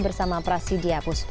bersama prasidia puspa